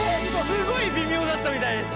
すごいびみょうだったみたいです。